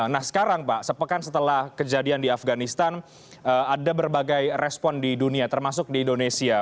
nah sekarang pak sepekan setelah kejadian di afganistan ada berbagai respon di dunia termasuk di indonesia